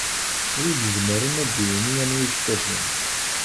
Wi izemren ad d-yini anwa ifazen?